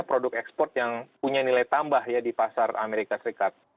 produk ekspor yang punya nilai tambah ya di pasar amerika serikat